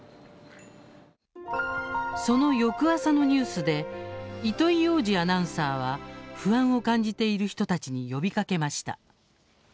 その翌朝のニュースで糸井羊司アナウンサーは不安を感じている人たちに呼びかけました。